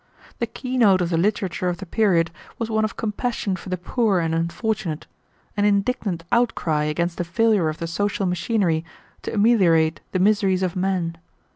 The key note of the literature of the period was one of compassion for the poor and unfortunate, and indignant outcry against the failure of the social machinery to ameliorate the miseries of men.